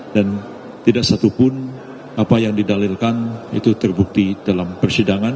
dan tidak satupun apa yang didalilkan itu terbukti dalam persidangan